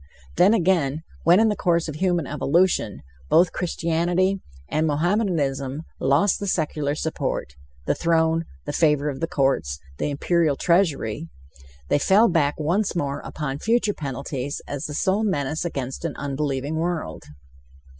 Then, again, when in the course of human evolution, both Christianity and Mohammedanism lost the secular support the throne, the favor of the courts, the imperial treasury they fell back once more upon future penalties as the sole menace against an unbelieving world.